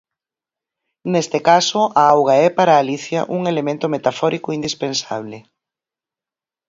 Neste caso a auga é para Alicia un elemento metafórico indispensable.